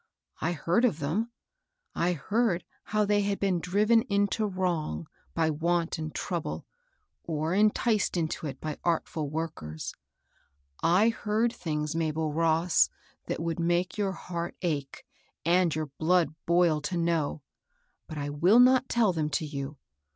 I heard of them, — I heard how they had been driven into wrong by want and trouble, or enticed into it by artful workers. I heard things^ J 62 MABEL B088. Mabel Ross, that would make your heart ache, and your blood boil to know; but I will not tell them to you.